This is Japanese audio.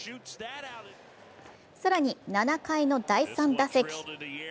更に、７回の第３打席。